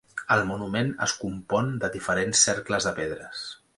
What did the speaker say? El monument es compon de diferents cercles de pedres.